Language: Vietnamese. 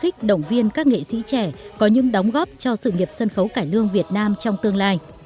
các nghệ sĩ trẻ có những đóng góp cho sự nghiệp sân khấu cải lương việt nam trong tương lai